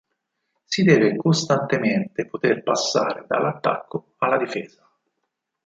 Si deve costantemente poter passare dall attacco alla difesa.